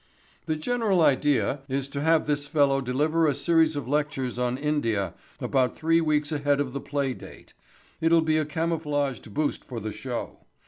"The general idea is to have this fellow deliver a series of lectures on India about three weeks ahead of the play date. It'll be a camouflaged boost for the show.